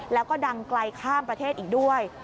แล้วก็ดังไกลข้ามประเทศอีกด้วย